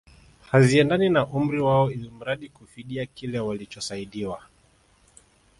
Haziendani na umri wao ilmradi kufidia kile walichosaidiwa